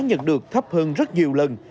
nhận được thấp hơn rất nhiều lần